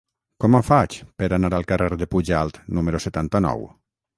Com ho faig per anar al carrer de Pujalt número setanta-nou?